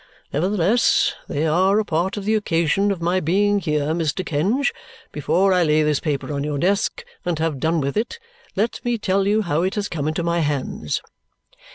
Nevertheless, they are a part of the occasion of my being here. Mr. Kenge, before I lay this paper on your desk and have done with it, let me tell you how it has come into my hands."